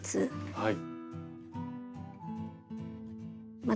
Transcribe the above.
はい。